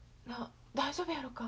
大丈夫やろか。